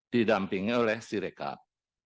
di dampingnya oleh sirekap